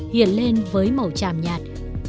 hiện lên với màu chàm nhạt